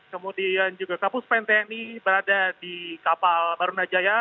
kemudian juga kapus pntni berada di kapal barunajaya